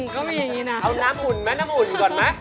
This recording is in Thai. เขามีอย่างนี้นะน้ำหุ่นมั้ยก่อนก่อน